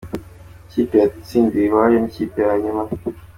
Ikipe yatsindiwe iwayo n’ikipe yanyuma